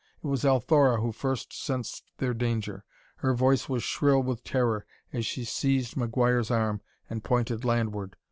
It was Althora who first sensed their danger. Her voice was shrill with terror as she seized McGuire's arm and pointed landward.